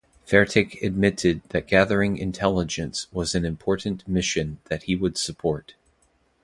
Fertig admitted that gathering intelligence was an important mission that he would support.